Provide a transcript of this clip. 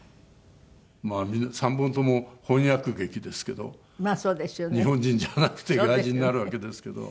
まあ３本とも翻訳劇ですけど日本人じゃなくて外国人になるわけですけど。